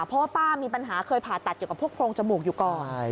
เพราะว่าป้ามีปัญหาเคยผ่าตัดเกี่ยวกับพวกโรงจมูกอยู่ก่อน